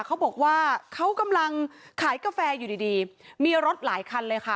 เขาบอกว่าเขากำลังขายกาแฟอยู่ดีดีมีรถหลายคันเลยค่ะ